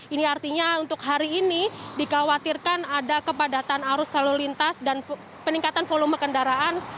ini artinya untuk hari ini dikhawatirkan ada kepadatan arus lalu lintas dan peningkatan volume kendaraan